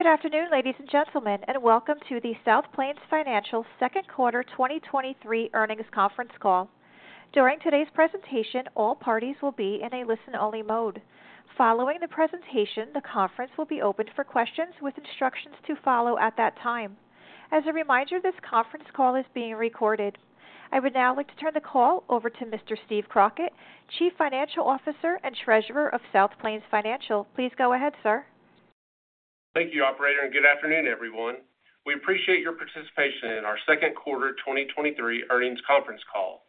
Good afternoon, ladies and gentlemen, and welcome to the South Plains Financial second quarter 2023 earnings conference call. During today's presentation, all parties will be in a listen-only mode. Following the presentation, the conference will be opened for questions with instructions to follow at that time. As a reminder, this conference call is being recorded. I would now like to turn the call over to Mr. Steve Crockett, Chief Financial Officer and Treasurer of South Plains Financial. Please go ahead, sir. Thank you, operator, and good afternoon, everyone. We appreciate your participation in our second quarter 2023 earnings conference call.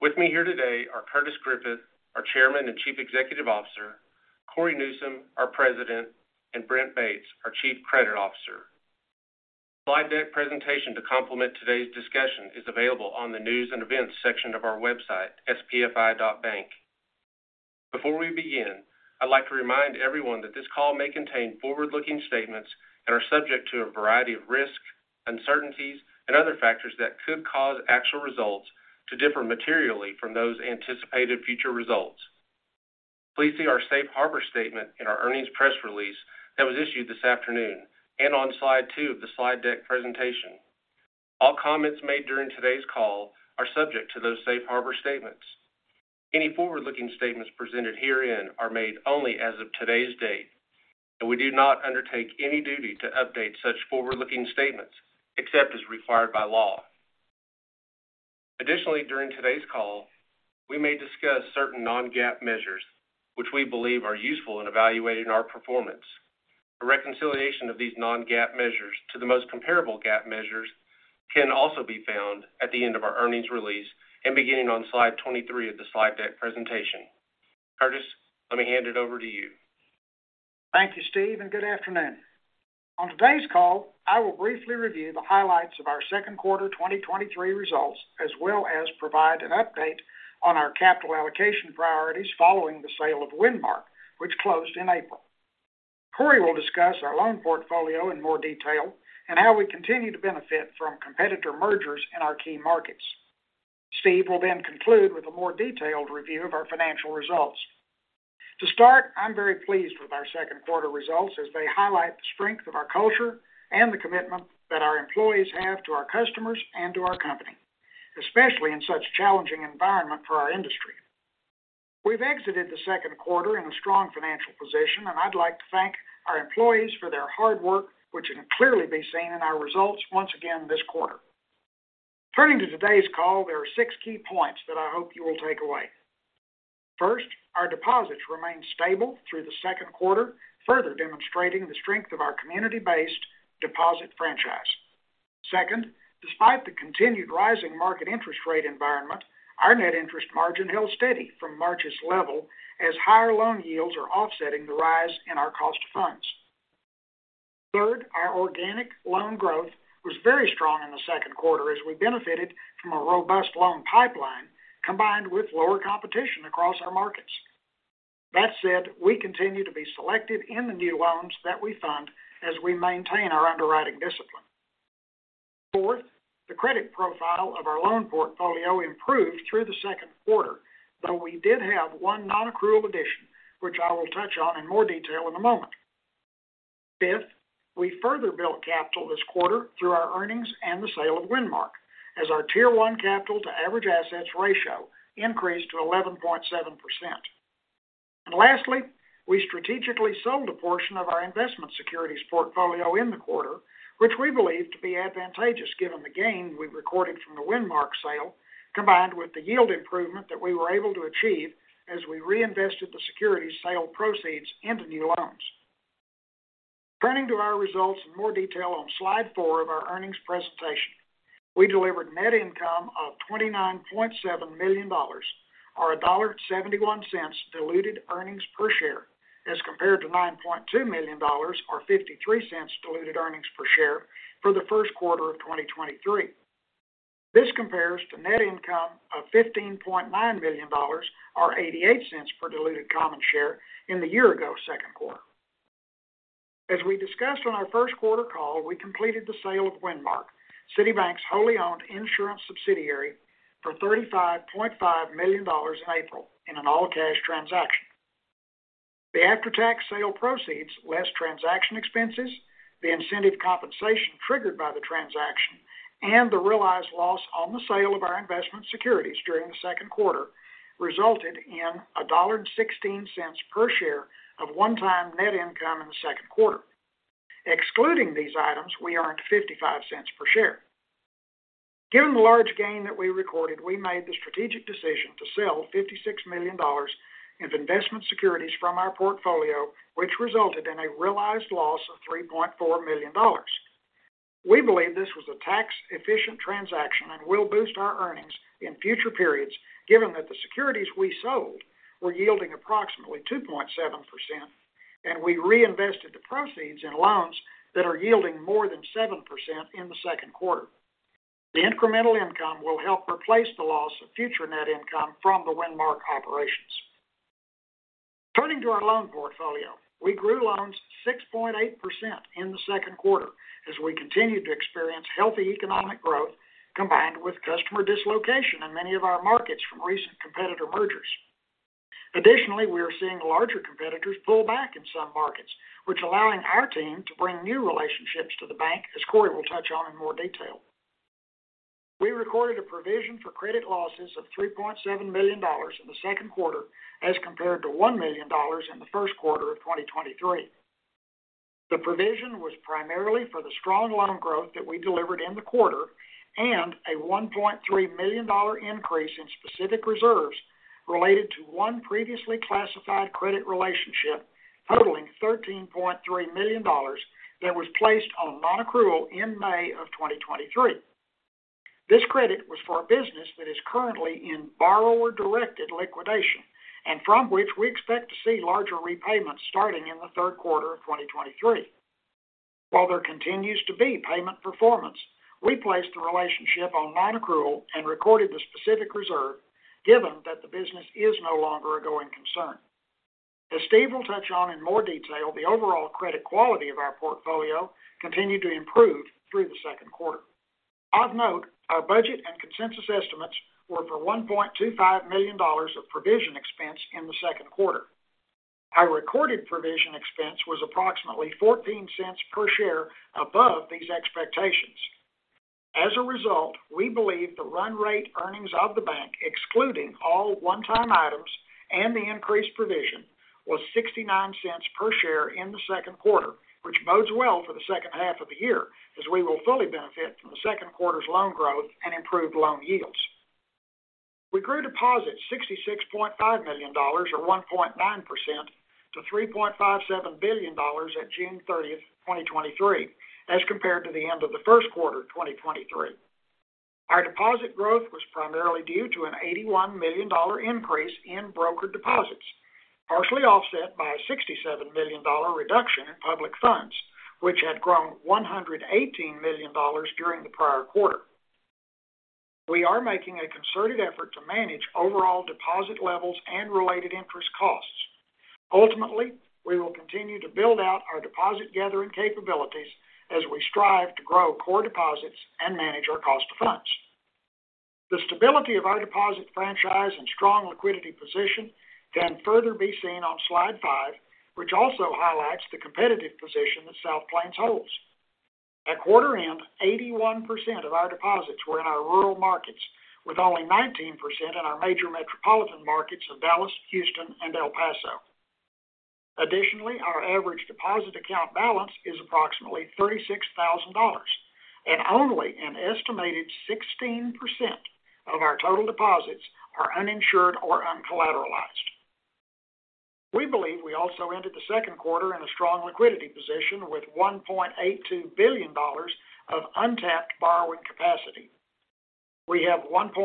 With me here today are Curtis Griffith, our Chairman and Chief Executive Officer, Cory Newsom, our President, and Brent Bates, our Chief Credit Officer. Slide deck presentation to complement today's discussion is available on the News and Events section of our website, spfi.bank. Before we begin, I'd like to remind everyone that this call may contain forward-looking statements and are subject to a variety of risks, uncertainties, and other factors that could cause actual results to differ materially from those anticipated future results. Please see our safe harbor statement in our earnings press release that was issued this afternoon and on slide two of the slide deck presentation. All comments made during today's call are subject to those safe harbor statements. Any forward-looking statements presented herein are made only as of today's date, and we do not undertake any duty to update such forward-looking statements, except as required by law. Additionally, during today's call, we may discuss certain non-GAAP measures which we believe are useful in evaluating our performance. A reconciliation of these non-GAAP measures to the most comparable GAAP measures can also be found at the end of our earnings release and beginning on slide 23 of the slide deck presentation. Curtis, let me hand it over to you. Thank you, Steve, and good afternoon. On today's call, I will briefly review the highlights of our second quarter 2023 results, as well as provide an update on our capital allocation priorities following the sale of Windmark, which closed in April. Cory will discuss our loan portfolio in more detail and how we continue to benefit from competitor mergers in our key markets. Steve will then conclude with a more detailed review of our financial results. To start, I'm very pleased with our second quarter results as they highlight the strength of our culture and the commitment that our employees have to our customers and to our company, especially in such a challenging environment for our industry. We've exited the second quarter in a strong financial position, and I'd like to thank our employees for their hard work, which can clearly be seen in our results once again this quarter. Turning to today's call, there are six key points that I hope you will take away. First, our deposits remained stable through the second quarter, further demonstrating the strength of our community-based deposit franchise. Second, despite the continued rising market interest rate environment, our net interest margin held steady from March's level as higher loan yields are offsetting the rise in our cost of funds. Third, our organic loan growth was very strong in the second quarter as we benefited from a robust loan pipeline combined with lower competition across our markets. That said, we continue to be selected in the new loans that we fund as we maintain our underwriting discipline. Fourth, the credit profile of our loan portfolio improved through the second quarter, though we did have one nonaccrual addition, which I will touch on in more detail in a moment. Fifth, we further built capital this quarter through our earnings and the sale of Windmark, as our tier one capital to average assets ratio increased to 11.7%. Lastly, we strategically sold a portion of our investment securities portfolio in the quarter, which we believe to be advantageous given the gain we recorded from the Windmark sale, combined with the yield improvement that we were able to achieve as we reinvested the securities sale proceeds into new loans. Turning to our results in more detail on slide four of our earnings presentation, we delivered net income of $29.7 million, or $1.71 diluted earnings per share, as compared to $9.2 million, or $0.53 diluted earnings per share for the first quarter of 2023. This compares to net income of $15.9 million, or $0.88 per diluted common share in the year ago second quarter. As we discussed on our first quarter call, we completed the sale of Windmark, City Bank's wholly owned insurance subsidiary, for $35.5 million in April in an all-cash transaction. The after-tax sale proceeds, less transaction expenses, the incentive compensation triggered by the transaction, and the realized loss on the sale of our investment securities during the second quarter, resulted in a $1.16 per share of one-time net income in the second quarter. Excluding these items, we earned $0.55 per share. Given the large gain that we recorded, we made the strategic decision to sell $56 million of investment securities from our portfolio, which resulted in a realized loss of $3.4 million. We believe this was a tax-efficient transaction and will boost our earnings in future periods, given that the securities we sold were yielding approximately 2.7%, and we reinvested the proceeds in loans that are yielding more than 7% in the second quarter. The incremental income will help replace the loss of future net income from the Windmark operations. Turning to our loan portfolio, we grew loans 6.8% in the second quarter as we continued to experience healthy economic growth combined with customer dislocation in many of our markets from recent competitive mergers. Additionally, we are seeing larger competitors pull back in some markets, which allowing our team to bring new relationships to the bank, as Cory Newsom will touch on in more detail. We recorded a provision for credit losses of $3.7 million in the second quarter, as compared to $1 million in the first quarter of 2023. The provision was primarily for the strong loan growth that we delivered in the quarter and a $1.3 million increase in specific reserves related to one previously classified credit relationship, totaling $13.3 million, that was placed on nonaccrual in May of 2023. This credit was for a business that is currently in borrower-directed liquidation and from which we expect to see larger repayments starting in the third quarter of 2023. While there continues to be payment performance, we placed the relationship on nonaccrual and recorded the specific reserve, given that the business is no longer a going concern. As Steve will touch on in more detail, the overall credit quality of our portfolio continued to improve through the second quarter. Of note, our budget and consensus estimates were for $1.25 million of provision expense in the second quarter. Our recorded provision expense was approximately $0.14 per share above these expectations. We believe the run rate earnings of the bank, excluding all one-time items and the increased provision, was $0.69 per share in the second quarter, which bodes well for the second half of the year, as we will fully benefit from the second quarter's loan growth and improved loan yields. We grew deposits $66.5 million, or 1.9%, to $3.57 billion at June 30, 2023, as compared to the end of the first quarter of 2023. Our deposit growth was primarily due to an $81 million increase in brokered deposits, partially offset by a $67 million reduction in public funds, which had grown $118 million during the prior quarter. We are making a concerted effort to manage overall deposit levels and related interest costs. Ultimately, we will continue to build out our deposit-gathering capabilities as we strive to grow core deposits and manage our cost of funds. The stability of our deposit franchise and strong liquidity position can further be seen on slide five, which also highlights the competitive position that South Plains holds. At quarter end, 81% of our deposits were in our rural markets, with only 19% in our major metropolitan markets of Dallas, Houston, and El Paso. Additionally, our average deposit account balance is approximately $36,000, and only an estimated 16% of our total deposits are uninsured or uncollateralized. We believe we also ended the second quarter in a strong liquidity position, with $1.82 billion of untapped borrowing capacity. We have $1.01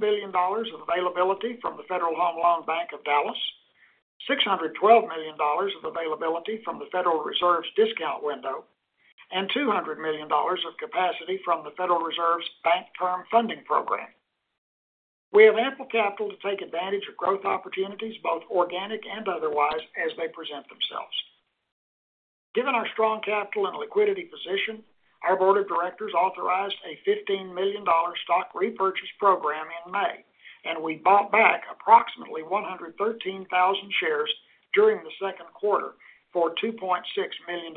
billion of availability from the Federal Home Loan Bank of Dallas, $612 million of availability from the Federal Reserve's discount window, and $200 million of capacity from the Federal Reserve's Bank Term Funding Program. We have ample capital to take advantage of growth opportunities, both organic and otherwise, as they present themselves. Given our strong capital and liquidity position, our board of directors authorized a $15 million stock repurchase program in May. We bought back approximately 113,000 shares during the second quarter for $2.6 million.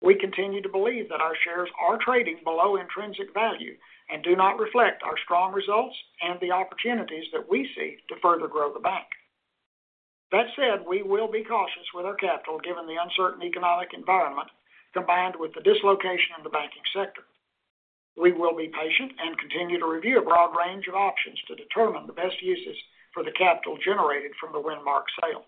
We continue to believe that our shares are trading below intrinsic value and do not reflect our strong results and the opportunities that we see to further grow the bank. That said, we will be cautious with our capital, given the uncertain economic environment, combined with the dislocation of the banking sector. We will be patient and continue to review a broad range of options to determine the best uses for the capital generated from the Windmark sale.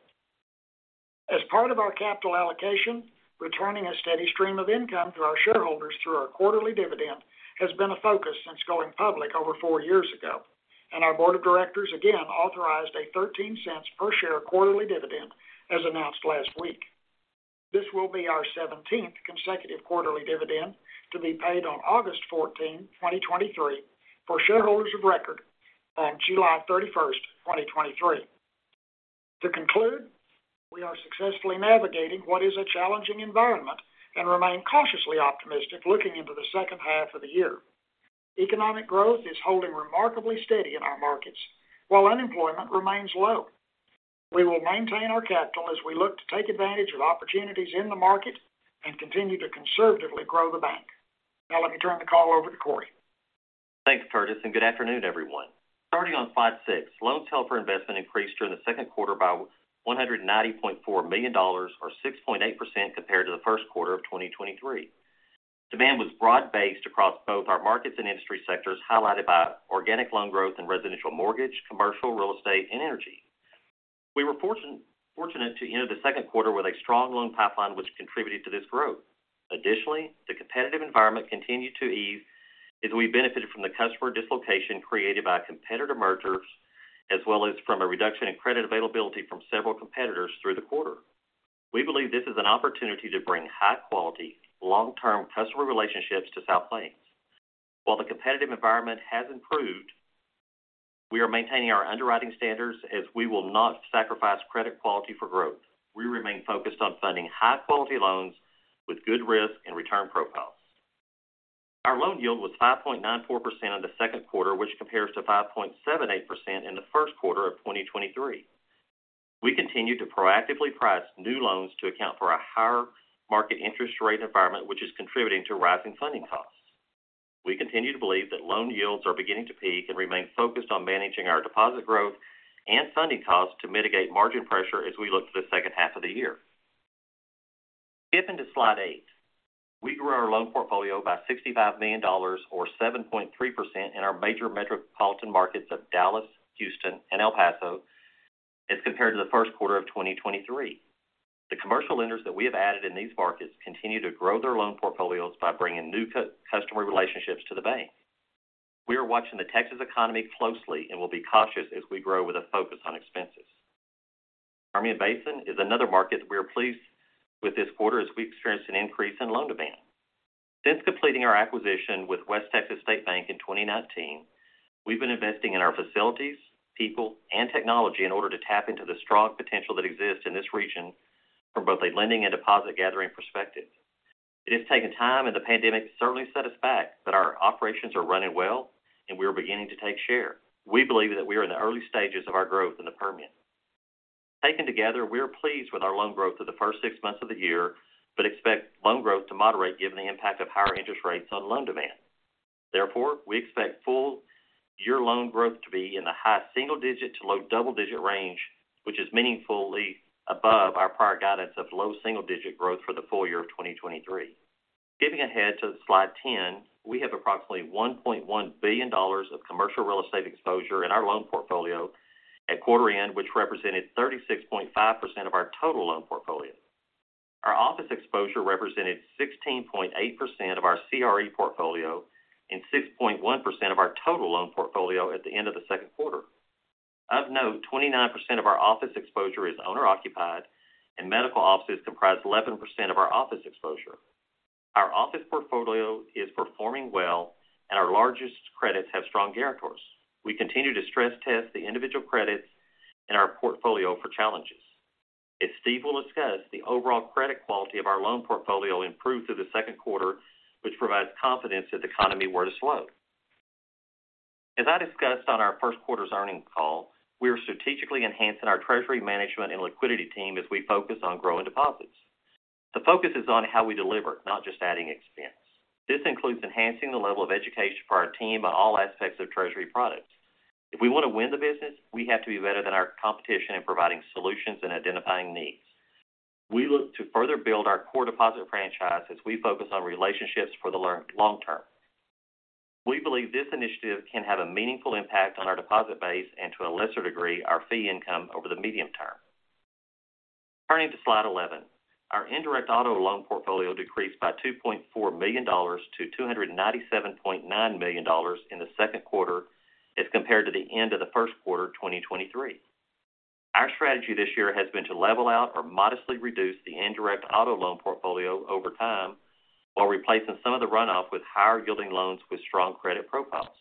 As part of our capital allocation, returning a steady stream of income to our shareholders through our quarterly dividend has been a focus since going public over four years ago, and our board of directors again authorized a $0.13 per share quarterly dividend, as announced last week. This will be our 17th consecutive quarterly dividend to be paid on August 14, 2023, for shareholders of record on July 31st, 2023. To conclude, we are successfully navigating what is a challenging environment and remain cautiously optimistic looking into the second half of the year. Economic growth is holding remarkably steady in our markets, while unemployment remains low. We will maintain our capital as we look to take advantage of opportunities in the market and continue to conservatively grow the bank. Let me turn the call over to Cory. Thanks, Curtis. Good afternoon, everyone. Starting on slide six, loans held for investment increased during the second quarter by $190.4 million, or 6.8% compared to the first quarter of 2023. Demand was broad-based across both our markets and industry sectors, highlighted by organic loan growth in residential mortgage, commercial real estate, and energy. We were fortunate to end the second quarter with a strong loan pipeline, which contributed to this growth. Additionally, the competitive environment continued to ease as we benefited from the customer dislocation created by competitor mergers, as well as from a reduction in credit availability from several competitors through the quarter. We believe this is an opportunity to bring high-quality, long-term customer relationships to South Plains. While the competitive environment has improved, we are maintaining our underwriting standards as we will not sacrifice credit quality for growth. We remain focused on funding high-quality loans with good risk and return profiles. Our loan yield was 5.94% in the second quarter, which compares to 5.78% in the first quarter of 2023. We continued to proactively price new loans to account for a higher market interest rate environment, which is contributing to rising funding costs. We continue to believe that loan yields are beginning to peak and remain focused on managing our deposit growth and funding costs to mitigate margin pressure as we look to the second half of the year. Skipping to Slide eight, we grew our loan portfolio by $65 million or 7.3% in our major metropolitan markets of Dallas, Houston, and El Paso as compared to the first quarter of 2023. The commercial lenders that we have added in these markets continue to grow their loan portfolios by bringing new customer relationships to the bank. We are watching the Texas economy closely and will be cautious as we grow with a focus on expenses. Permian Basin is another market that we are pleased with this quarter as we experienced an increase in loan demand. Since completing our acquisition with West Texas State Bank in 2019, we've been investing in our facilities, people, and technology in order to tap into the strong potential that exists in this region from both a lending and deposit gathering perspective. It has taken time, and the pandemic certainly set us back, but our operations are running well, and we are beginning to take share. We believe that we are in the early stages of our growth in the Permian. Taken together, we are pleased with our loan growth for the first six months of the year, but expect loan growth to moderate given the impact of higher interest rates on loan demand. We expect full year loan growth to be in the high single-digit to low double-digit range, which is meaningfully above our prior guidance of low single-digit growth for the full year of 2023. Skipping ahead to Slide 10, we have approximately $1.1 billion of commercial real estate exposure in our loan portfolio at quarter end, which represented 36.5% of our total loan portfolio. Our office exposure represented 16.8% of our CRE portfolio and 6.1% of our total loan portfolio at the end of the second quarter. Of note, 29% of our office exposure is owner-occupied, and medical offices comprise 11% of our office exposure. Our office portfolio is performing well, and our largest credits have strong guarantors. We continue to stress test the individual credits in our portfolio for challenges. As Steve will discuss, the overall credit quality of our loan portfolio improved through the second quarter, which provides confidence if the economy were to slow. As I discussed on our first quarter's earnings call, we are strategically enhancing our treasury management and liquidity team as we focus on growing deposits. The focus is on how we deliver, not just adding expense. This includes enhancing the level of education for our team on all aspects of treasury products. If we want to win the business, we have to be better than our competition in providing solutions and identifying needs. We look to further build our core deposit franchise as we focus on relationships for the long term. We believe this initiative can have a meaningful impact on our deposit base and, to a lesser degree, our fee income over the medium term. Turning to Slide 11, our indirect auto loan portfolio decreased by $2.4 million to $297.9 million in the second quarter as compared to the end of the first quarter of 2023. Our strategy this year has been to level out or modestly reduce the indirect auto loan portfolio over time, while replacing some of the runoff with higher yielding loans with strong credit profiles.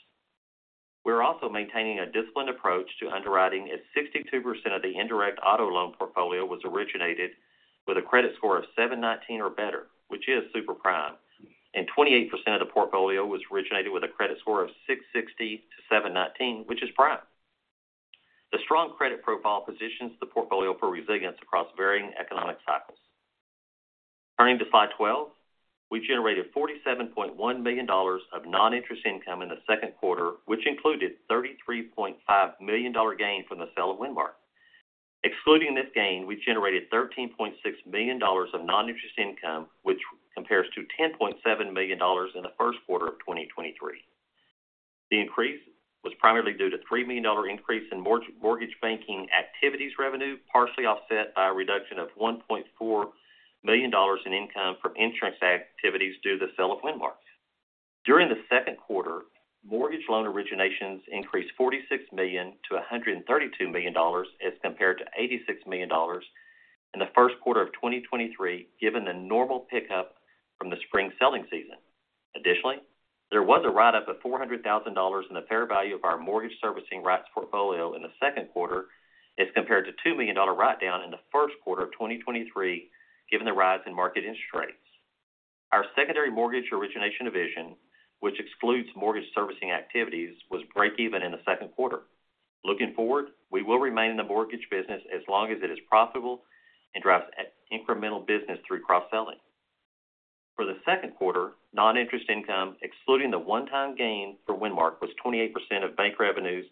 We're also maintaining a disciplined approach to underwriting, as 62% of the indirect auto loan portfolio was originated with a credit score of 719 or better, which is super prime, and 28% of the portfolio was originated with a credit score of 660-719, which is prime. The strong credit profile positions the portfolio for resilience across varying economic cycles. Turning to Slide 12, we generated $47.1 million of non-interest income in the second quarter, which included $33.5 million gain from the sale of Windmark. Excluding this gain, we generated $13.6 million of non-interest income, which compares to $10.7 million in the first quarter of 2023. The increase was primarily due to a $3 million increase in mortgage banking activities revenue, partially offset by a reduction of $1.4 million in income from insurance activities due to the sale of Windmark. During the second quarter, mortgage loan originations increased $46 million to $132 million as compared to $86 million in the first quarter of 2023, given the normal pickup from the spring selling season. Additionally, there was a write-up of $400,000 in the fair value of our mortgage servicing rights portfolio in the second quarter, as compared to a $2 million write-down in the first quarter of 2023, given the rise in market interest rates. Our secondary mortgage origination division, which excludes mortgage servicing activities, was break even in the second quarter. Looking forward, we will remain in the mortgage business as long as it is profitable and drives incremental business through cross-selling. For the second quarter, non-interest income, excluding the one-time gain for Windmark, was 28% of bank revenues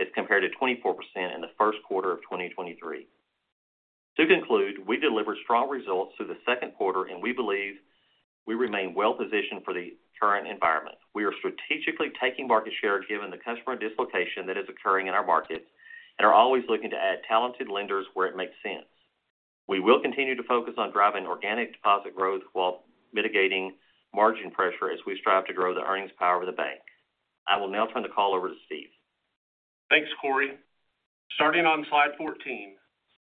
as compared to 24% in the first quarter of 2023. To conclude, we delivered strong results through the second quarter, and we believe we remain well positioned for the current environment. We are strategically taking market share, given the customer dislocation that is occurring in our markets, and are always looking to add talented lenders where it makes sense. We will continue to focus on driving organic deposit growth while mitigating margin pressure as we strive to grow the earnings power of the bank. I will now turn the call over to Steve. Thanks, Cory. Starting on Slide 14,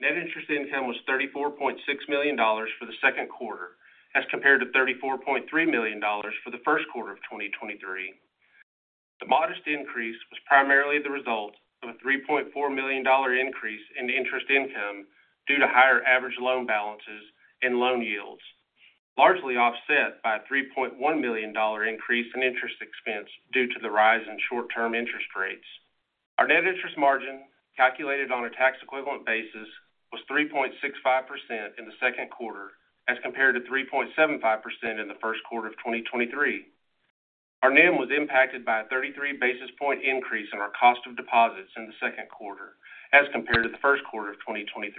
net interest income was $34.6 million for the second quarter, as compared to $34.3 million for the first quarter of 2023. The modest increase was primarily the result of a $3.4 million increase in interest income due to higher average loan balances and loan yields, largely offset by a $3.1 million increase in interest expense due to the rise in short-term interest rates. Our net interest margin, calculated on a tax equivalent basis, was 3.65% in the second quarter, as compared to 3.75% in the first quarter of 2023. Our NIM was impacted by a 33 basis point increase in our cost of deposits in the second quarter as compared to the first quarter of 2023.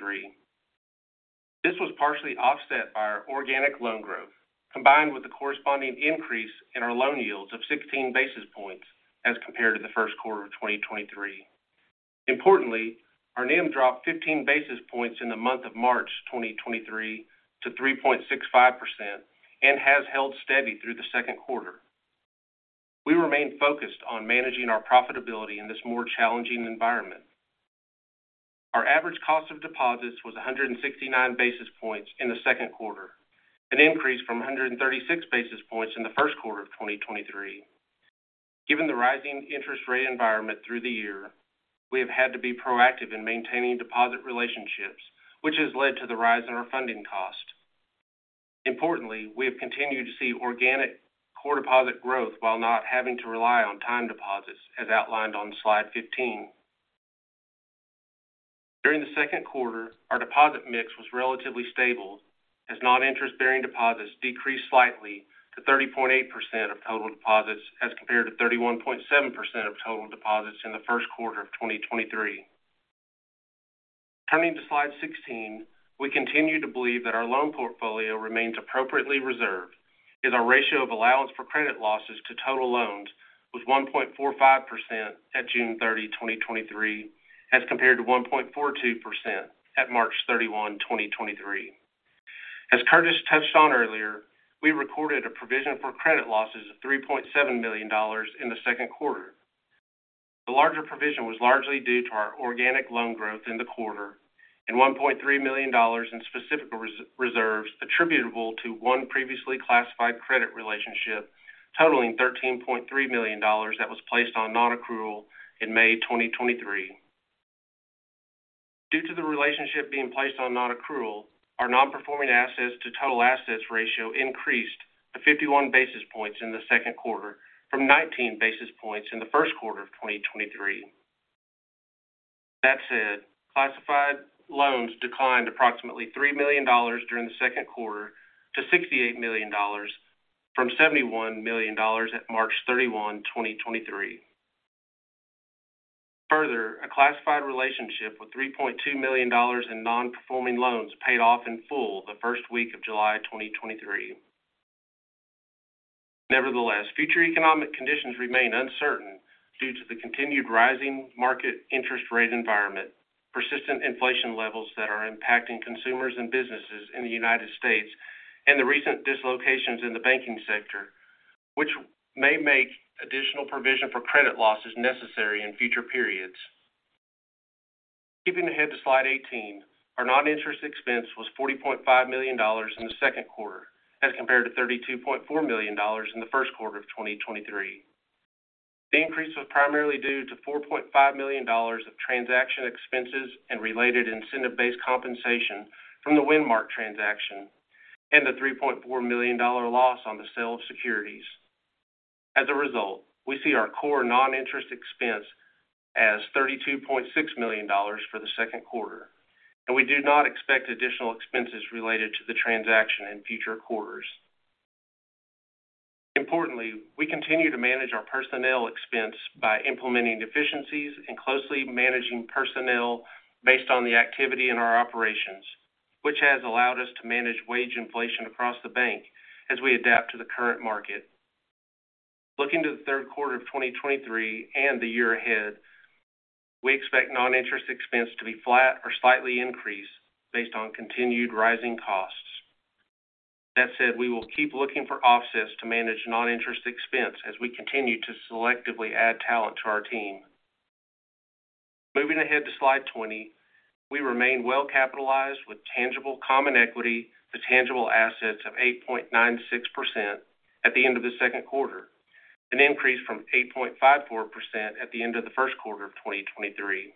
This was partially offset by our organic loan growth, combined with the corresponding increase in our loan yields of 16 basis points as compared to the first quarter of 2023. Importantly, our NIM dropped 15 basis points in the month of March 2023 to 3.65% and has held steady through the second quarter. We remain focused on managing our profitability in this more challenging environment. Our average cost of deposits was 169 basis points in the second quarter, an increase from 136 basis points in the first quarter of 2023. Given the rising interest rate environment through the year, we have had to be proactive in maintaining deposit relationships, which has led to the rise in our funding cost. Importantly, we have continued to see organic core deposit growth while not having to rely on time deposits, as outlined on slide 15. During the second quarter, our deposit mix was relatively stable as non-interest-bearing deposits decreased slightly to 30.8% of total deposits, as compared to 31.7% of total deposits in the first quarter of 2023. Turning to slide 16, we continue to believe that our loan portfolio remains appropriately reserved as our ratio of allowance for credit losses to total loans was 1.45% at June 30, 2023, as compared to 1.42% at March 31, 2023. As Curtis touched on earlier, we recorded a provision for credit losses of $3.7 million in the second quarter. The larger provision was largely due to our organic loan growth in the quarter and $1.3 million in specific reserves attributable to one previously classified credit relationship, totaling $13.3 million that was placed on nonaccrual in May 2023. Due to the relationship being placed on nonaccrual, our nonperforming assets to total assets ratio increased to 51 basis points in the second quarter from 19 basis points in the first quarter of 2023. That said, classified loans declined approximately $3 million during the second quarter to $68 million from $71 million at March 31, 2023. Further, a classified relationship with $3.2 million in nonperforming loans paid off in full the first week of July 2023. Nevertheless, future economic conditions remain uncertain due to the continued rising market interest rate environment, persistent inflation levels that are impacting consumers and businesses in the United States, and the recent dislocations in the banking sector, which may make additional provision for credit losses necessary in future periods. Skipping ahead to slide 18, our non-interest expense was $40.5 million in the second quarter, as compared to $32.4 million in the first quarter of 2023. The increase was primarily due to $4.5 million of transaction expenses and related incentive-based compensation from the Windmark transaction and the $3.4 million loss on the sale of securities. As a result, we see our core non-interest expense as $32.6 million for the second quarter, and we do not expect additional expenses related to the transaction in future quarters. Importantly, we continue to manage our personnel expense by implementing efficiencies and closely managing personnel based on the activity in our operations, which has allowed us to manage wage inflation across the bank as we adapt to the current market. Looking to the third quarter of 2023 and the year ahead, we expect non-interest expense to be flat or slightly increased based on continued rising costs. That said, we will keep looking for offsets to manage non-interest expense as we continue to selectively add talent to our team. Moving ahead to slide 20, we remain well capitalized with tangible common equity to tangible assets of 8.96% at the end of the second quarter, an increase from 8.54% at the end of the first quarter of 2023.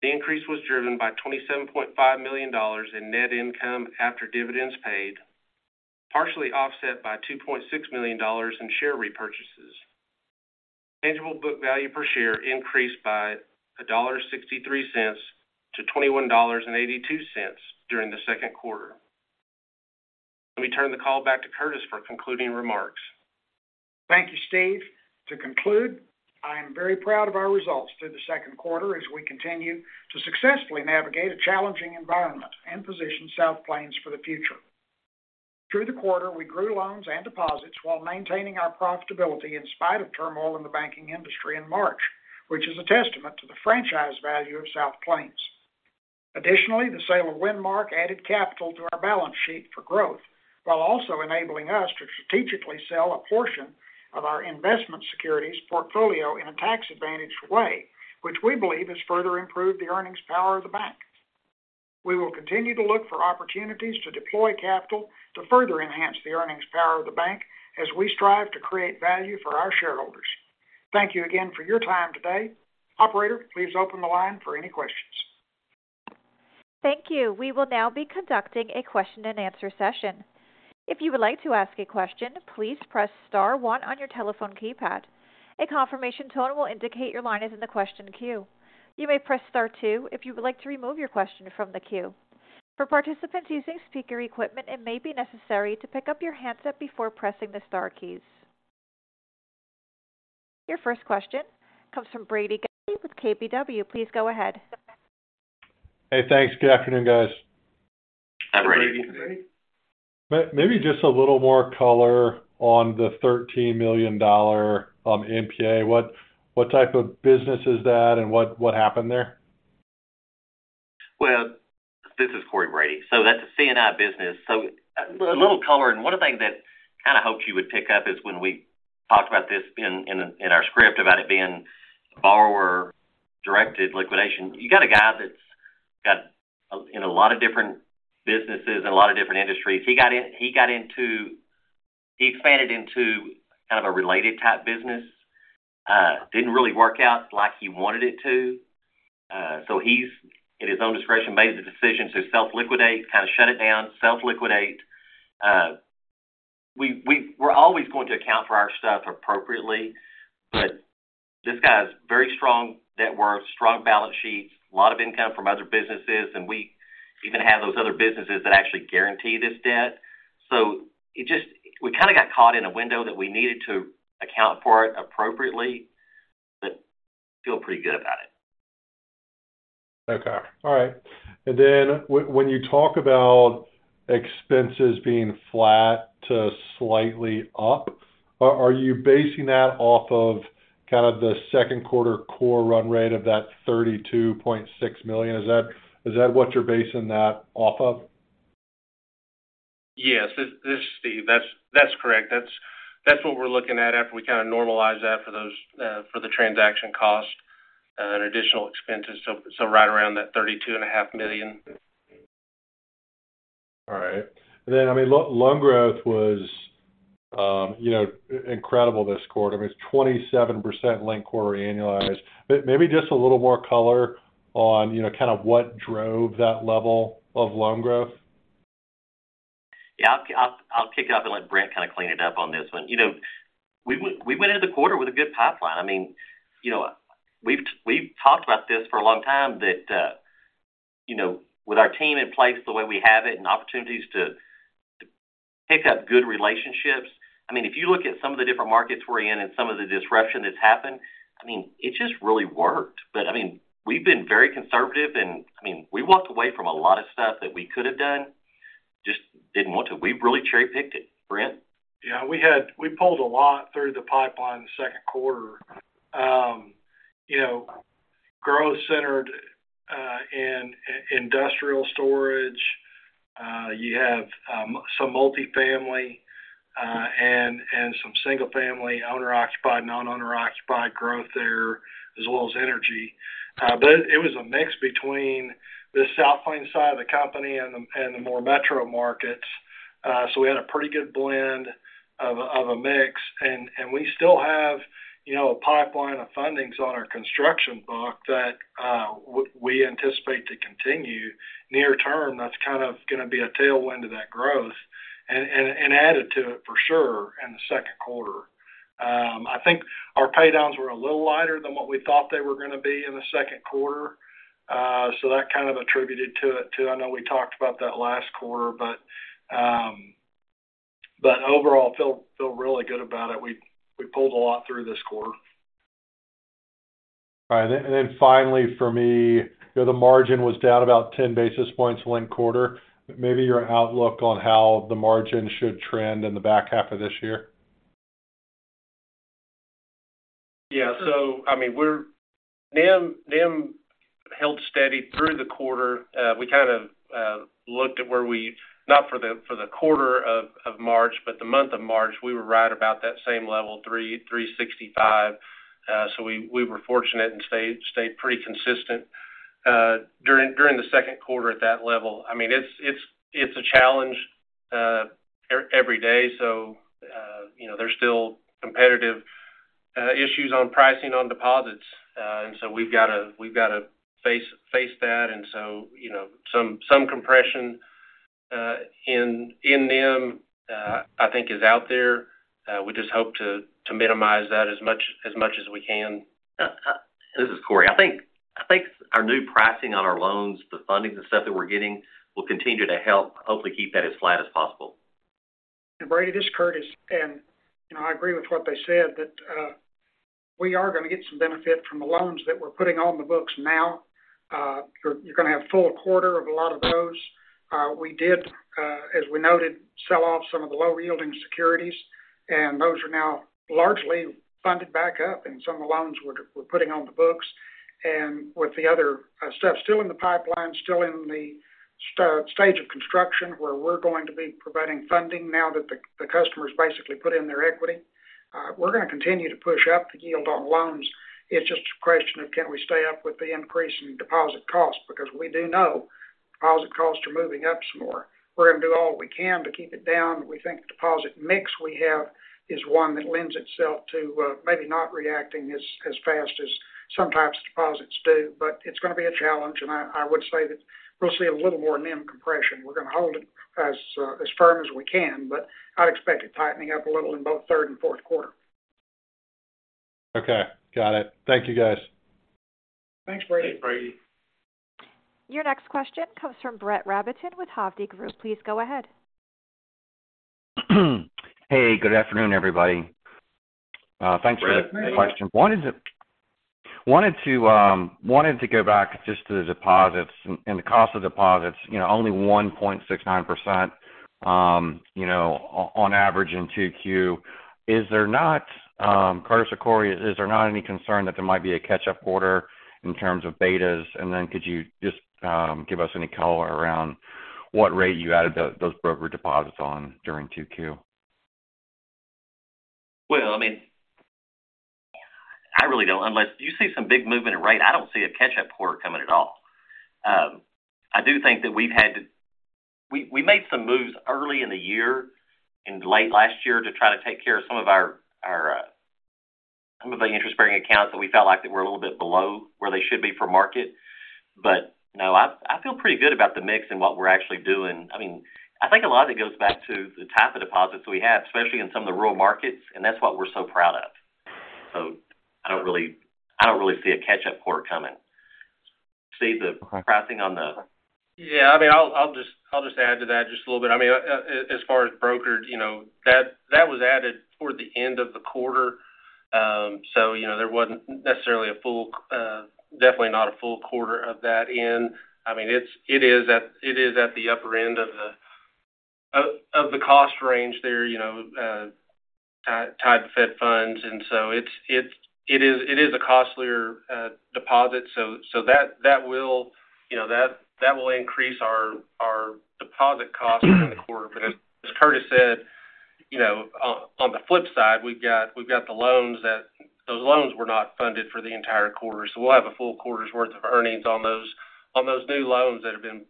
The increase was driven by $27.5 million in net income after dividends paid, partially offset by $2.6 million in share repurchases. Tangible book value per share increased by $1.63 to $21.82 during the second quarter. Let me turn the call back to Curtis for concluding remarks. Thank you, Steve. To conclude, I am very proud of our results through the second quarter as we continue to successfully navigate a challenging environment and position South Plains for the future. Through the quarter, we grew loans and deposits while maintaining our profitability in spite of turmoil in the banking industry in March, which is a testament to the franchise value of South Plains. Additionally, the sale of Windmark added capital to our balance sheet for growth, while also enabling us to strategically sell a portion of our investment securities portfolio in a tax-advantaged way, which we believe has further improved the earnings power of the bank....We will continue to look for opportunities to deploy capital to further enhance the earnings power of the bank as we strive to create value for our shareholders. Thank you again for your time today. Operator, please open the line for any questions. Thank you. We will now be conducting a question-and-answer session. If you would like to ask a question, please press star one on your telephone keypad. A confirmation tone will indicate your line is in the question queue. You may press star two if you would like to remove your question from the queue. For participants using speaker equipment, it may be necessary to pick up your handset before pressing the star keys. Your first question comes from Brady Gailey with KBW. Please go ahead. Hey, thanks. Good afternoon, guys. Hi, Brady. Maybe just a little more color on the $13 million, NPA. What type of business is that and what happened there? This is Cory Brady. That's a C&I business. A little color, and one of the things that I kind of hoped you would pick up is when we talked about this in our script about it being borrower-directed liquidation. You got a guy that's got in a lot of different businesses and a lot of different industries. He expanded into kind of a related type business, didn't really work out like he wanted it to. He's, at his own discretion, made the decision to self-liquidate, kind of shut it down, self-liquidate. We're always going to account for our stuff appropriately, but this guy is very strong net worth, strong balance sheets, a lot of income from other businesses, and we even have those other businesses that actually guarantee this debt. We kind of got caught in a window that we needed to account for it appropriately, but feel pretty good about it. Okay, all right. When you talk about expenses being flat to slightly up, are you basing that off of kind of the second quarter core run rate of that $32.6 million? Is that what you're basing that off of? This is Steve. That's correct. That's what we're looking at after we kind of normalize that for those for the transaction cost and additional expenses. Right around that 32 and a half million. All right. I mean, loan growth was, you know, incredible this quarter. I mean, it's 27% linked quarter annualized. Maybe just a little more color on, you know, kind of what drove that level of loan growth? I'll kick it off and let Brent kind of clean it up on this one. You know, we went into the quarter with a good pipeline. I mean, you know, we've talked about this for a long time, that, you know, with our team in place the way we have it and opportunities to pick up good relationships. I mean, if you look at some of the different markets we're in and some of the disruption that's happened, I mean, it just really worked. I mean, we've been very conservative, and, I mean, we walked away from a lot of stuff that we could have done, just didn't want to. We really cherry-picked it. Brent? Yeah, we pulled a lot through the pipeline the second quarter. You know, growth centered in industrial storage. You have some multifamily, and some single-family, owner-occupied, non-owner-occupied growth there, as well as energy. It was a mix between the South Plains side of the company and the more metro markets. We had a pretty good blend of a mix, and we still have, you know, a pipeline of fundings on our construction book that we anticipate to continue. Near term, that's kind of going to be a tailwind to that growth and added to it for sure in the second quarter. I think our paydowns were a little lighter than what we thought they were going to be in the second quarter, so that kind of attributed to it, too. I know we talked about that last quarter. Overall, feel really good about it. We pulled a lot through this quarter. All right. Finally, for me, you know, the margin was down about 10 basis points one quarter. Maybe your outlook on how the margin should trend in the back half of this year? Yeah, I mean, we're NIM held steady through the quarter. We kind of looked at where we not for the quarter of March, but the month of March, we were right about that same level, 3.65. We were fortunate and stayed pretty consistent during the second quarter at that level. I mean, it's a challenge every day, so, you know, there's still competitive issues on pricing on deposits. We've got to face that. You know, some compression in NIM, I think is out there. We just hope to minimize that as much as we can. This is Cory. I think our new pricing on our loans, the funding, the stuff that we're getting, will continue to help hopefully keep that as flat as possible. Brady, this is Curtis, and you know, I agree with what they said, that we are going to get some benefit from the loans that we're putting on the books now. You're going to have a full quarter of a lot of those. We did, as we noted, sell off some of the low-yielding securities, and those are now largely funded back up in some of the loans we're putting on the books. With the other stuff still in the pipeline, still in the stage of construction, where we're going to be providing funding now that the customers basically put in their equity. We're going to continue to push up the yield on loans. It's just a question of can we stay up with the increase in deposit costs? We do know deposit costs are moving up some more. We're going to do all we can to keep it down. We think the deposit mix we have is one that lends itself to maybe not reacting as fast as some types of deposits do, but it's going to be a challenge, and I would say that we'll see a little more NIM compression. We're going to hold it as firm as we can, but I expect it tightening up a little in both third and fourth quarter. Okay, got it. Thank you, guys. Thanks, Brady. Thanks, Brady. Your next question comes from Brett Rabatin with Hovde Group. Please go ahead. Hey, good afternoon, everybody. Thanks for the question. Wanted to go back just to the deposits and the cost of deposits, you know, only 1.69%, you know, on average in 2Q. Is there not [this is for Cory] is there not any concern that there might be a catch-up order in terms of betas? Could you just give us any color around what rate you added those brokered deposits on during 2Q? I mean, I really don't unless you see some big movement in rate, I don't see a catch-up quarter coming at all. I do think that we've had to we made some moves early in the year and late last year to try to take care of some of our some of the interest-bearing accounts that we felt like they were a little bit below where they should be for market. No, I feel pretty good about the mix and what we're actually doing. I mean, I think a lot of it goes back to the type of deposits we have, especially in some of the rural markets, and that's what we're so proud of. I don't really see a catch-up quarter coming. See the pricing on the- Yeah, I mean, I'll just add to that just a little bit. I mean, as far as brokered, you know, that was added toward the end of the quarter. You know, there wasn't necessarily a full, definitely not a full quarter of that in. I mean, it is at the upper end of the cost range there, you know, tied Fed funds, and so it is a costlier deposit, so that will, you know, that will increase our deposit costs during the quarter. As Curtis said, you know, on the flip side, we've got the loans that those loans were not funded for the entire quarter, so we'll have a full quarter's worth of earnings on those new loans that have been,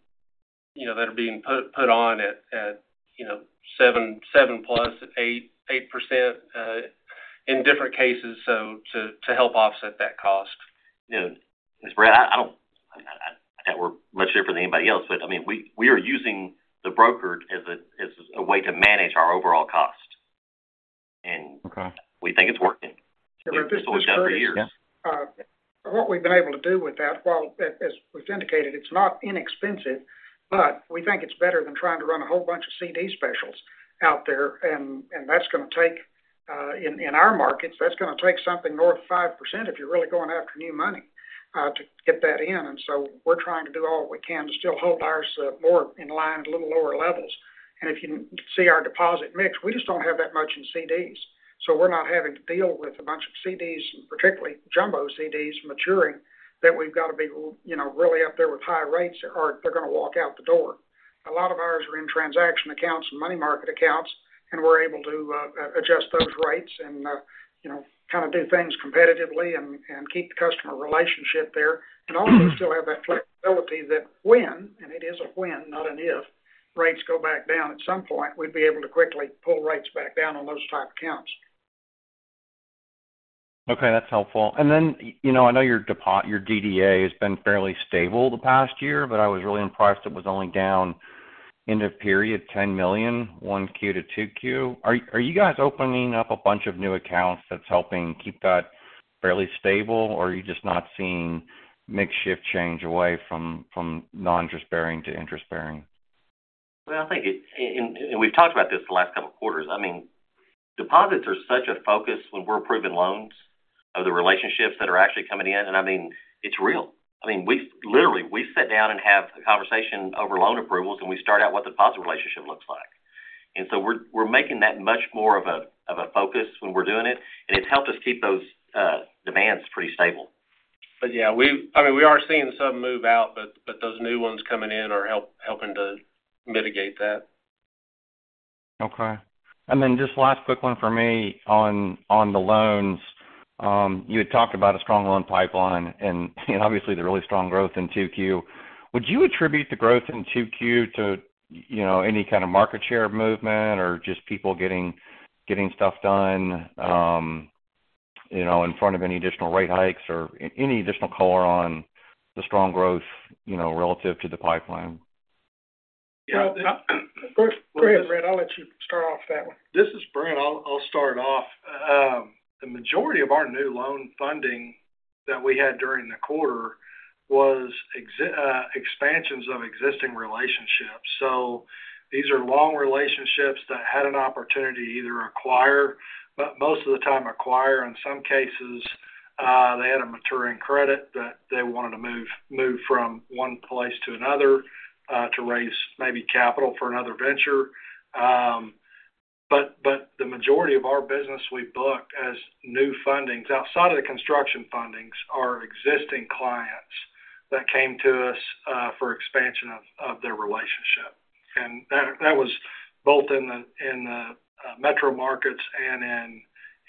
you know, that are being put on at, you know, +7%, 8% in different cases, so to help offset that cost. You know, as Brett, I doubt we're much different than anybody else, but I mean, we are using the brokered as a way to manage our overall cost. Okay. We think it's working. What we've been able to do with that, while as we've indicated, it's not inexpensive, but we think it's better than trying to run a whole bunch of CD specials out there, and that's going to take, in our markets, that's going to take something north of 5% if you're really going after new money, to get that in. So we're trying to do all we can to still hold ours, more in line at a little lower levels. If you see our deposit mix, we just don't have that much in CDs, so we're not having to deal with a bunch of CDs, particularly jumbo CDs, maturing, that we've got to be, you know, really up there with high rates or they're going to walk out the door. A lot of ours are in transaction accounts and money market accounts, and we're able to adjust those rates and, you know, kind of do things competitively and keep the customer relationship there. Also still have that flexibility that when, and it is a when, not an if, rates go back down at some point, we'd be able to quickly pull rates back down on those type accounts. Okay, that's helpful. You know, I know your DDA has been fairly stable the past year. I was really impressed it was only down end of period, $10 million, 1Q-2Q. Are you guys opening up a bunch of new accounts that's helping keep that fairly stable, or are you just not seeing mix shift change away from non-interest-bearing to interest-bearing? Well, I think and we've talked about this the last couple of quarters. I mean, deposits are such a focus when we're approving loans of the relationships that are actually coming in. I mean, it's real. I mean, literally, we sit down and have a conversation over loan approvals, and we start out what the deposit relationship looks like. We're, we're making that much more of a, of a focus when we're doing it, and it's helped us keep those demands pretty stable. Yeah, I mean, we are seeing some move out, but those new ones coming in are helping to mitigate that. Okay. Just last quick one for me on the loans. You had talked about a strong loan pipeline and, obviously, the really strong growth in 2Q. Would you attribute the growth in 2Q to, you know, any kind of market share movement or just people getting stuff done, you know, in front of any additional rate hikes or any additional color on the strong growth, you know, relative to the pipeline? Yeah, go ahead, Brent. I'll let you start off that one. This is Brent. I'll start off. The majority of our new loan funding that we had during the quarter was expansions of existing relationships. These are long relationships that had an opportunity to either acquire, but most of the time acquire, in some cases, they had a maturing credit that they wanted to move from one place to another, to raise maybe capital for another venture. The majority of our business we book as new fundings. Outside of the construction fundings, are existing clients that came to us for expansion of their relationship. That was both in the metro markets and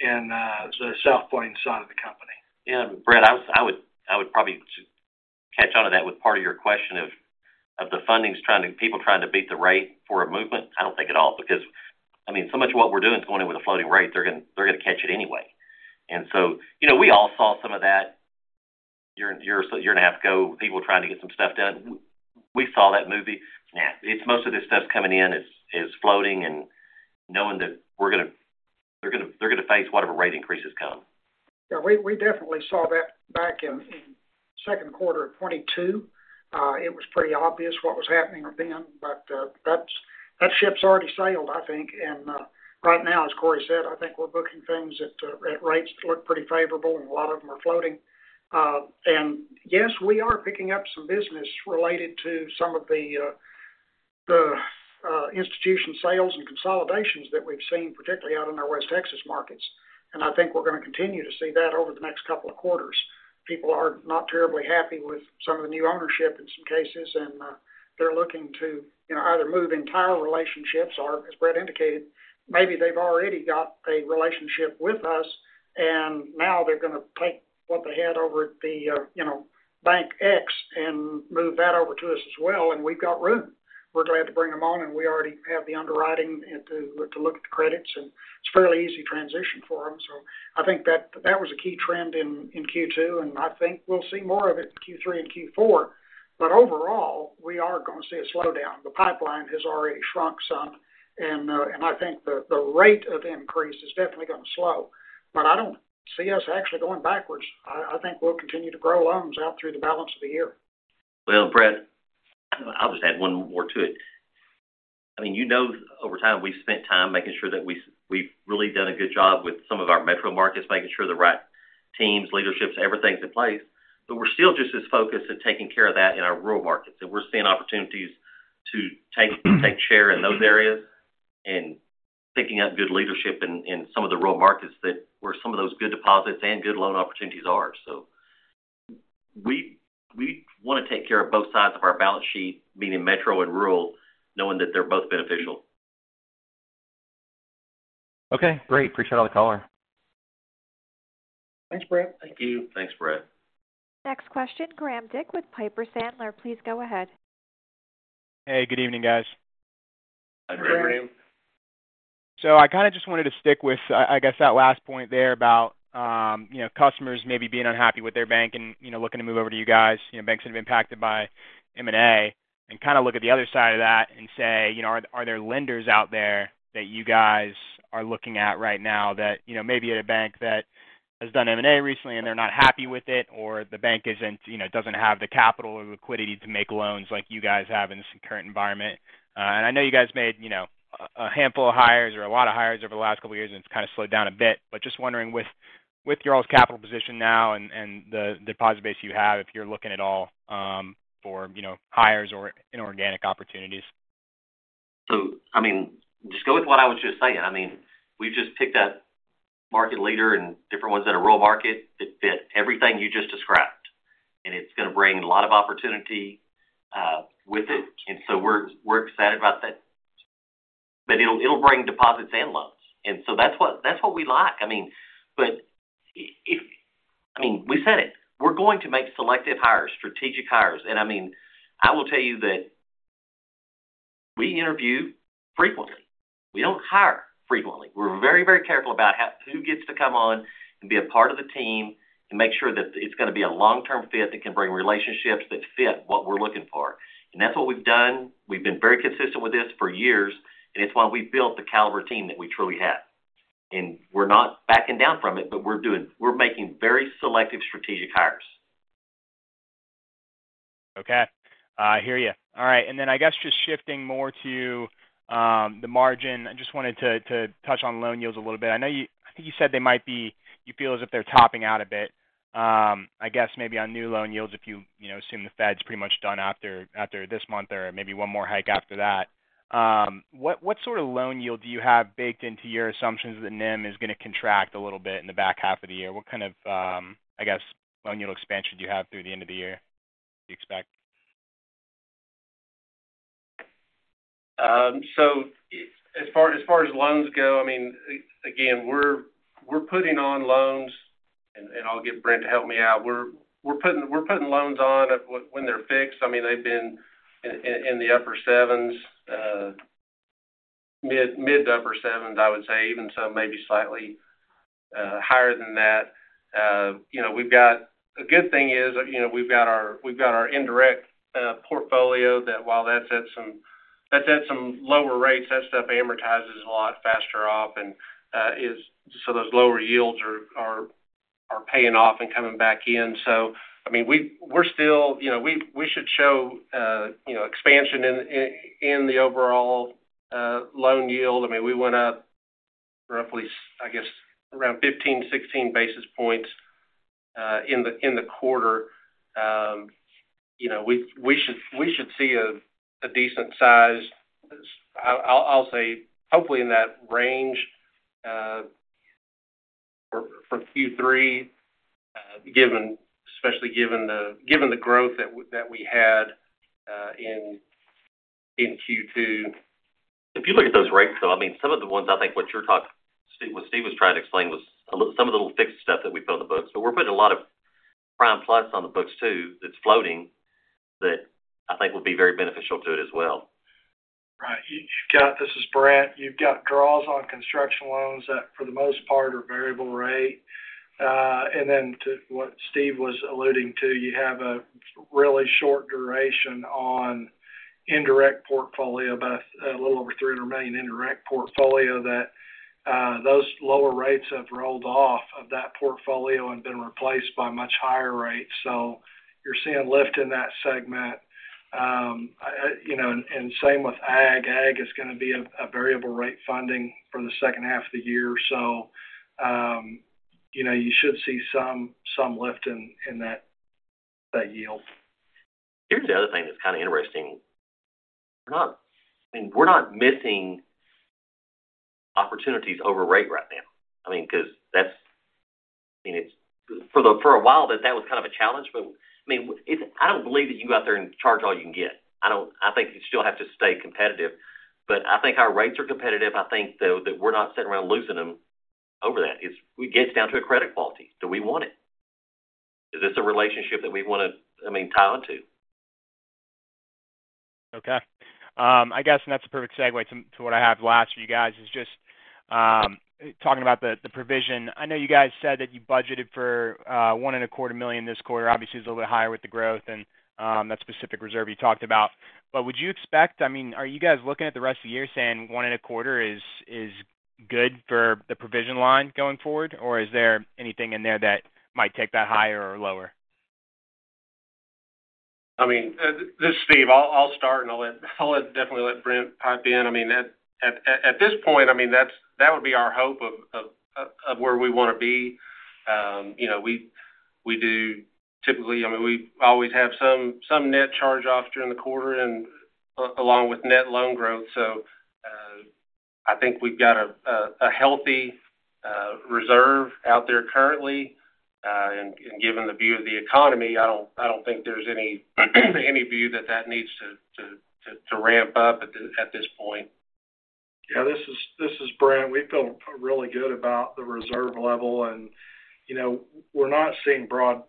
in the South Plains side of the company. Yeah, Brett, I would probably catch on to that with part of your question of the fundings, people trying to beat the rate for a movement. I don't think at all, because, I mean, so much of what we're doing is going in with a floating rate. They're gonna catch it anyway. You know, we all saw some of that a year and a half ago, people trying to get some stuff done. We saw that movie. Nah, it's most of this stuff coming in is floating and knowing that they're gonna face whatever rate increases come. We definitely saw that back in second quarter of 2022. It was pretty obvious what was happening then, that ship's already sailed, I think. Right now, as Cory Newsom said, I think we're booking things at rates that look pretty favorable, and a lot of them are floating. Yes, we are picking up some business related to some of the institution sales and consolidations that we've seen, particularly out in our West Texas markets. I think we're going to continue to see that over the next couple of quarters. People are not terribly happy with some of the new ownership in some cases. They're looking to, you know, either move entire relationships or, as Brett indicated, maybe they've already got a relationship with us. Now they're going to take what they had over at the, you know, Bank X and move that over to us as well. We've got room. We're glad to bring them on. We already have the underwriting and to look at the credits, and it's a fairly easy transition for them. I think that was a key trend in Q2, and I think we'll see more of it in Q3 and Q4. Overall, we are going to see a slowdown. The pipeline has already shrunk some, I think the rate of increase is definitely going to slow, but I don't see us actually going backwards. I think we'll continue to grow loans out through the balance of the year. Brett, I'll just add one more to it. I mean, you know, over time, we've spent time making sure that we've really done a good job with some of our metro markets, making sure the right teams, leaderships, everything's in place. We're still just as focused in taking care of that in our rural markets, and we're seeing opportunities to take share in those areas and picking up good leadership in some of the rural markets that where some of those good deposits and good loan opportunities are. We want to take care of both sides of our balance sheet, meaning metro and rural, knowing that they're both beneficial. Okay, great. Appreciate all the color. Thanks, Brett. Thank you. Thanks, Brett. Next question, Graham Dick with Piper Sandler. Please go ahead. Hey, good evening, guys. Hi, Graham. [cross tallk] Good evening. I kind of just wanted to stick with, I guess, that last point there about, you know, customers maybe being unhappy with their bank and, you know, looking to move over to you guys, you know, banks that have been impacted by M&A, and kind of look at the other side of that and say, you know, are there lenders out there that you guys are looking at right now that, you know, maybe at a bank that has done M&A recently, and they're not happy with it, or the bank isn't, you know, doesn't have the capital or liquidity to make loans like you guys have in this current environment? I know you guys made, you know, a handful of hires or a lot of hires over the last couple of years, and it's kind of slowed down a bit. Just wondering with your all's capital position now and the deposit base you have, if you're looking at all, for, you know, hires or inorganic opportunities? I mean, just go with what I was just saying. I mean, we've just picked up market leader and different ones at a rural market that fit everything you just described, and it's going to bring a lot of opportunity with it. We're excited about that. It'll bring deposits and loans, that's what we like. I mean, I mean, we said it, we're going to make selective hires, strategic hires. I mean, I will tell you that we interview frequently. We don't hire frequently. We're very careful about who gets to come on and be a part of the team and make sure that it's going to be a long-term fit that can bring relationships that fit what we're looking for. That's what we've done. We've been very consistent with this for years, and it's why we've built the caliber team that we truly have. We're not backing down from it, but we're making very selective, strategic hires. Okay, I hear you. All right. Then I guess just shifting more to the margin. I just wanted to touch on loan yields a little bit. I know I think you said they might be, you feel as if they're topping out a bit, I guess maybe on new loan yields, if you know, assume the Fed's pretty much done after this month or maybe 1 more hike after that. What sort of loan yield do you have baked into your assumptions that NIM is going to contract a little bit in the back half of the year? What kind of, I guess, loan yield expansion do you have through the end of the year, do you expect? As far as loans go, I mean, again, we're putting on loans, and I'll get Brent to help me out. We're putting loans on when they're fixed. I mean, they've been in the upper 7s, mid to upper 7s, I would say, even some maybe slightly higher than that. You know, a good thing is, you know, we've got our indirect portfolio that while that's at some lower rates, that stuff amortizes a lot faster off and. Those lower yields are paying off and coming back in. I mean, we're still, you know, we should show, you know, expansion in the overall loan yield. I mean, we went up roughly, I guess, around 15, 16 basis points. In the quarter, you know, we should see a decent size. I'll say hopefully in that range for Q3, especially given the growth that we had in Q2. If you look at those rates, though, I mean, some of the ones I think what Steve was trying to explain was a little, some of the little fixed stuff that we put on the books. We're putting a lot of prime plus on the books, too, that's floating, that I think will be very beneficial to it as well. Right. This is Brent. You've got draws on construction loans that, for the most part, are variable rate. To what Steve was alluding to, you have a really short duration on indirect portfolio, about a little over $300 million indirect portfolio, that those lower rates have rolled off of that portfolio and been replaced by much higher rates. You're seeing lift in that segment. You know, same with ag. Ag is going to be a variable rate funding for the second half of the year. You know, you should see some lift in that yield. Here's the other thing that's kind of interesting. I mean, we're not missing opportunities over rate right now. I mean, for a while, that was kind of a challenge. I mean, I don't believe that you can go out there and charge all you can get. I think you still have to stay competitive, but I think our rates are competitive. I think, though, that we're not sitting around losing them over that. It gets down to a credit quality. Do we want it? Is this a relationship that we want to, I mean, tie onto? Okay. I guess, that's a perfect segue to what I have last for you guys, is just talking about the provision. I know you guys said that you budgeted for one and a quarter million this quarter. Obviously, it's a little bit higher with the growth and that specific reserve you talked about. I mean, are you guys looking at the rest of the year saying one and a quarter is good for the provision line going forward, or is there anything in there that might take that higher or lower? I mean, this is Steve Crockett. I'll start, I'll definitely let Brent Bates pipe in. I mean, at this point, I mean, that would be our hope of where we want to be. You know, we do typically, I mean, we always have some net charge-offs during the quarter along with net loan growth. I think we've got a healthy reserve out there currently. Given the view of the economy, I don't think there's any view that needs to ramp up at this point. Yeah, this is Brent. We feel really good about the reserve level and, you know, we're not seeing broad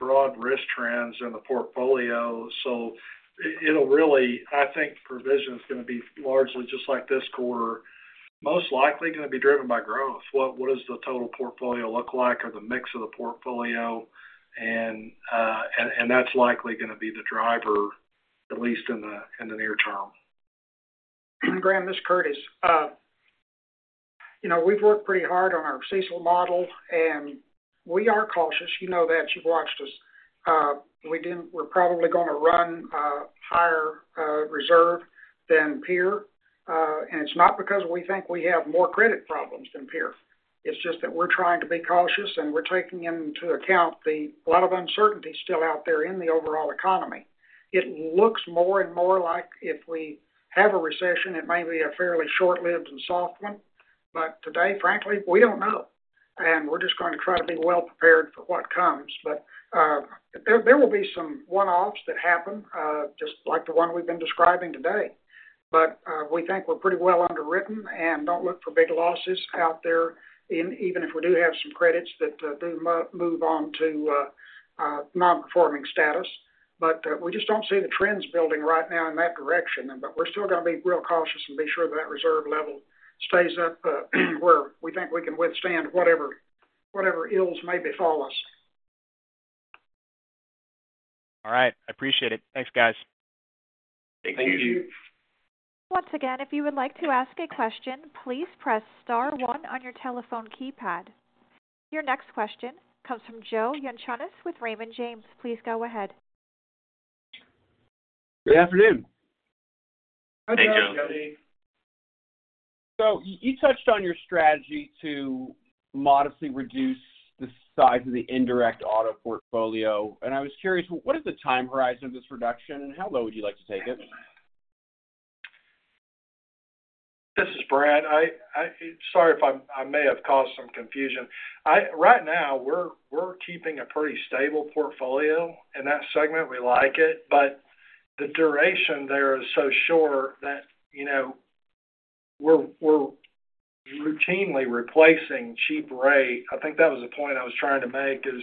risk trends in the portfolio, I think provision is going to be largely just like this quarter, most likely going to be driven by growth. What does the total portfolio look like or the mix of the portfolio? that's likely going to be the driver, at least in the, in the near term. Graham, this is Curtis. You know, we've worked pretty hard on our CECL model, and we are cautious. You know that. You've watched us. We're probably going to run higher reserve than peer. It's not because we think we have more credit problems than peer. It's just that we're trying to be cautious, and we're taking into account a lot of uncertainty still out there in the overall economy. It looks more and more like if we have a recession, it may be a fairly short-lived and soft one, but today, frankly, we don't know. We're just going to try to be well prepared for what comes. There will be some one-offs that happen just like the one we've been describing today. We think we're pretty well underwritten and don't look for big losses out there, in even if we do have some credits that move on to a nonperforming status. We just don't see the trends building right now in that direction. We're still going to be real cautious and be sure that reserve level stays up where we think we can withstand whatever ills may befall us. All right. I appreciate it. Thanks, guys. Thank you. Thank you. Once again, if you would like to ask a question, please press star one on your telephone keypad. Your next question comes from Joe Yanchunis with Raymond James. Please go ahead. Good afternoon. Hi, Joe. Hey, Joe. You touched on your strategy to modestly reduce the size of the indirect auto portfolio, and I was curious, what is the time horizon of this reduction, and how low would you like to take it? This is Brent. Sorry if I may have caused some confusion. Right now, we're keeping a pretty stable portfolio in that segment. We like it, but the duration there is so short that, you know, we're routinely replacing cheap rate. I think that was the point I was trying to make is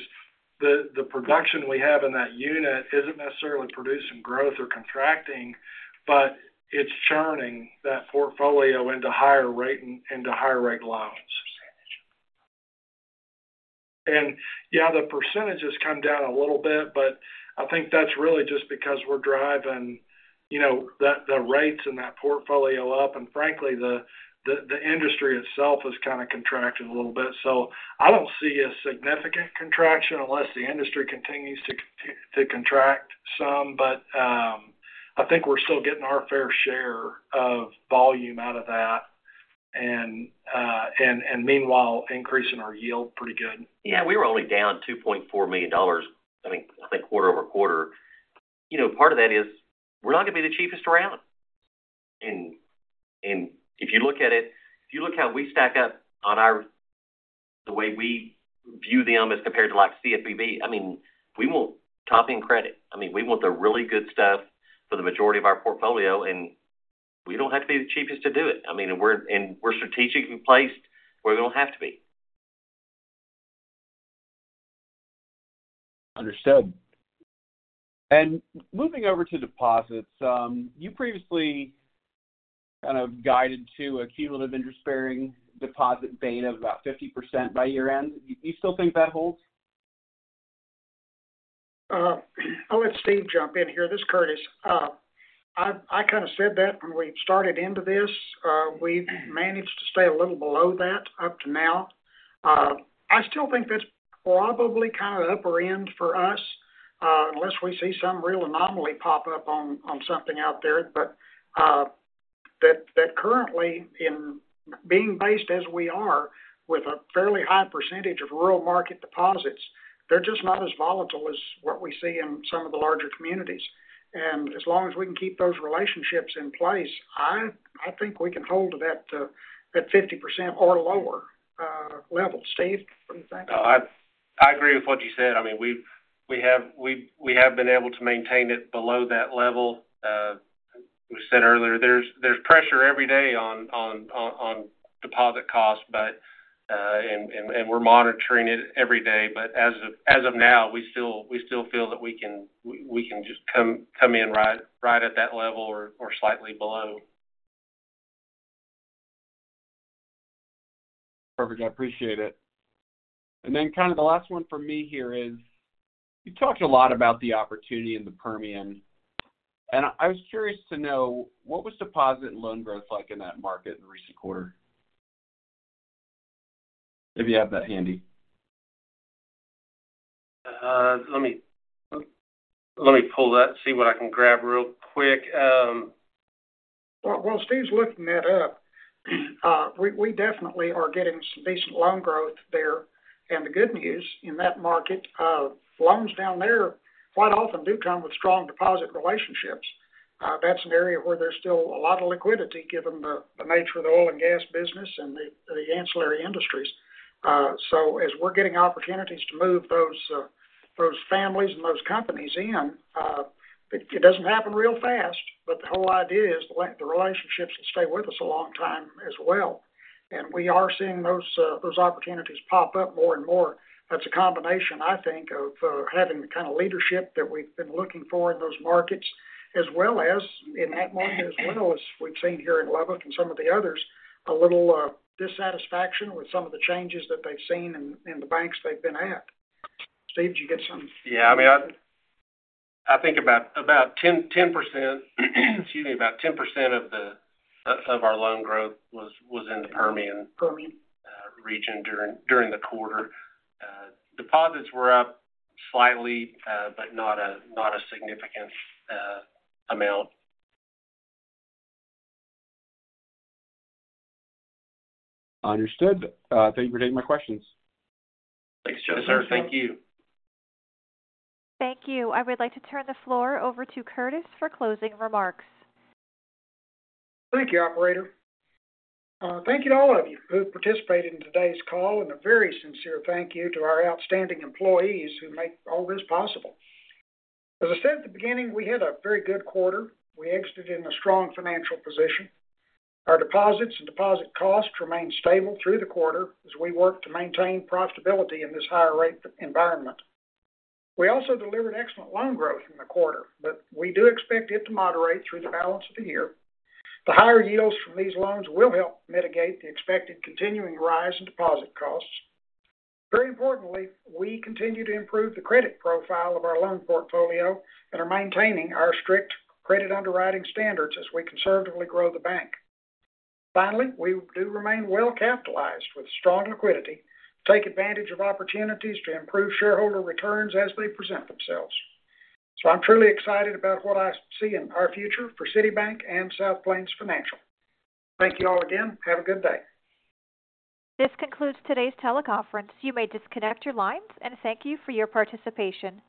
the production we have in that unit isn't necessarily producing growth or contracting, but it's churning that portfolio into higher rate, into higher rate allowance. Yeah, the percentage has come down a little bit, but I think that's really just because we're driving, you know, the rates in that portfolio up, and frankly, the industry itself has kind of contracted a little bit. I don't see a significant contraction unless the industry continues to contract some, I think we're still getting our fair share of volume out of that, and meanwhile, increasing our yield pretty good. Yeah, we were only down $2.4 million, I think, quarter-over-quarter. You know, part of that is we're not going to be the cheapest around. If you look how we stack up on our, the way we view them as compared to, like, CFPB, I mean, we want top-end credit. I mean, we want the really good stuff for the majority of our portfolio, we don't have to be the cheapest to do it. I mean, we're strategically placed where we don't have to be. Understood. Moving over to deposits, you previously kind of guided to a cumulative interest-bearing deposit beta of about 50% by year-end. Do you still think that holds? I'll let Steve jump in here. This is Curtis. I kind of said that when we started into this. We've managed to stay a little below that up to now. I still think that's probably kind of the upper end for us, unless we see some real anomaly pop up on something out there. That currently, in being based as we are, with a fairly high percentage of rural market deposits, they're just not as volatile as what we see in some of the larger communities. As long as we can keep those relationships in place, I think we can hold to that 50% or lower level. Steve, what do you think? I agree with what you said. I mean, we have been able to maintain it below that level. We said earlier, there's pressure every day on deposit costs, and we're monitoring it every day. As of now, we still feel that we can just come in right at that level or slightly below. Perfect. I appreciate it. Then kind of the last one for me here is, you talked a lot about the opportunity in the Permian, and I was curious to know, what was deposit and loan growth like in that market in the recent quarter? If you have that handy. Let me pull that and see what I can grab real quick. Well, while Steve's looking that up, we definitely are getting some decent loan growth there. The good news in that market, loans down there quite often do come with strong deposit relationships. That's an area where there's still a lot of liquidity, given the nature of the oil and gas business and the ancillary industries. As we're getting opportunities to move those families and those companies in, it doesn't happen real fast, but the whole idea is the length, the relationships stay with us a long time as well. We are seeing those opportunities pop up more and more. That's a combination, I think, of having the kind of leadership that we've been looking for in those markets, as well as in that market, as well as we've seen here in Lubbock and some of the others, a little dissatisfaction with some of the changes that they've seen in the banks they've been at. Steve, did you get something? I mean, I think about 10%, excuse me, about 10% of our loan growth was in the Permian- Permian Region during the quarter. Deposits were up slightly, but not a significant amount. Understood. Thank you for taking my questions. Thanks, Joe. Yes, sir. Thank you. Thank you. I would like to turn the floor over to Curtis for closing remarks. Thank you, operator. Thank you to all of you who participated in today's call, and a very sincere thank you to our outstanding employees who make all this possible. As I said at the beginning, we had a very good quarter. We exited in a strong financial position. Our deposits and deposit costs remained stable through the quarter as we work to maintain profitability in this higher rate environment. We also delivered excellent loan growth in the quarter, but we do expect it to moderate through the balance of the year. The higher yields from these loans will help mitigate the expected continuing rise in deposit costs. Very importantly, we continue to improve the credit profile of our loan portfolio and are maintaining our strict credit underwriting standards as we conservatively grow the bank. Finally, we do remain well capitalized with strong liquidity, take advantage of opportunities to improve shareholder returns as they present themselves. I'm truly excited about what I see in our future for City Bank and South Plains Financial. Thank you all again. Have a good day. This concludes today's teleconference. You may disconnect your lines, and thank you for your participation.